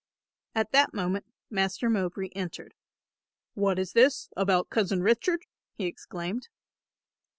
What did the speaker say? At that moment Master Mowbray entered. "What is this, about 'Cousin Richard'?" he exclaimed.